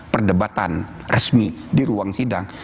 perdebatan resmi di ruang sidang